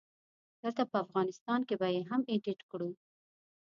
دلته په افغانستان کې به يې هم اډيټ کړو